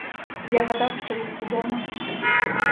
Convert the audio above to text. Я гадав, що він удома.